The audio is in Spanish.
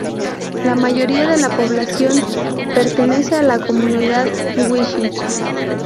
La mayoría de la población pertenece a la comunidad wichí.